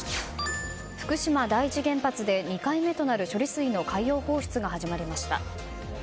福島第一原発で２回目となる処理水の海洋放出が始まりました。